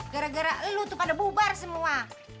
gara gara lu tuh pada bubar semua